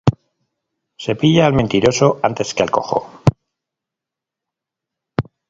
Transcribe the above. Se pilla al mentiroso antes que al cojo.